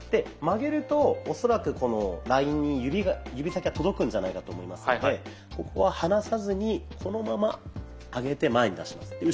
曲げると恐らくこのラインに指先が届くんじゃないかと思いますのでここは離さずにこのまま上げて前に出します。